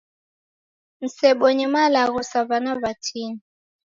Msebonye malagho sa w'ana w'atini